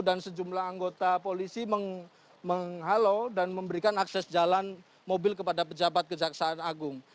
dan sejumlah anggota polisi menghalau dan memberikan akses jalan mobil kepada pejabat kejaksaan agung